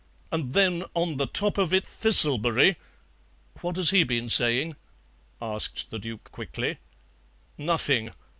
And then on the top of it, Thistlebery " "What has he been saying?" asked the Duke quickly. "Nothing.